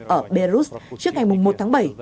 ở beirut trước ngày một tháng bảy